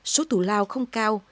số tù lao không cao